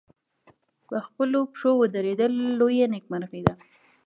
په خپلو پښو ودرېدل لویه نېکمرغي ده.